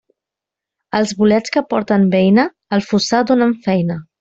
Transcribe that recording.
Els bolets que porten beina, al fossar donen feina.